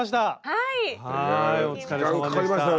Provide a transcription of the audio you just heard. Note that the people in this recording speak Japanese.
はいお疲れさまでした。